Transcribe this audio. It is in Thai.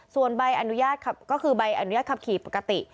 ส่วนใบอนุญาตขับก็คือใบอนุญาตขับขี่ปกติ